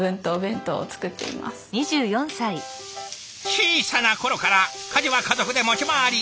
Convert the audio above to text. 小さな頃から家事は家族で持ち回り。